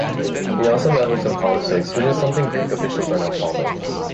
He also meddles in politics, which is something Greek officials are not fond of.